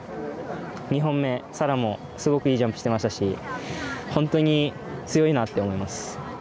２本目、沙羅もすごくいいジャンプをしていましたし、本当に強いなと思います。